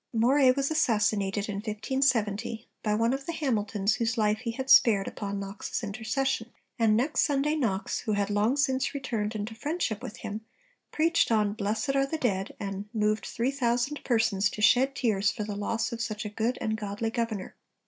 Moray was assassinated in 1570 by one of the Hamiltons whose life he had spared upon Knox's intercession; and next Sunday Knox, who had long since returned into friendship with him, preached on 'Blessed are the dead,' and 'moved three thousand persons to shed tears for the loss of such a good and godly governor.'